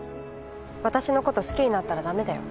私の事好きになったら駄目だよ。